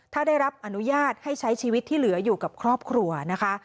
ถ้าได้รับอนุญาตให้ใช้ชีวิตที่เหลืออยู่กับครอบครัวนะคะ